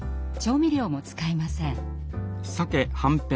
調味料も使いません。